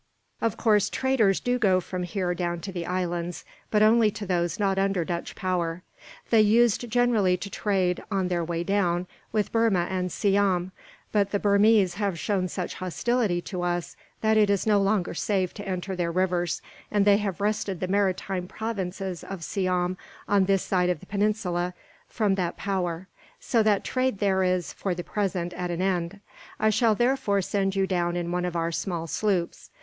Of course, traders do go from here down to the islands, but only to those not under Dutch power. They used generally to trade, on their way down, with Burma and Siam; but the Burmese have shown such hostility to us that it is no longer safe to enter their rivers, and they have wrested the maritime provinces of Siam, on this side of the Peninsula, from that power; so that trade there is, for the present, at an end. I shall therefore send you down in one of our small sloops.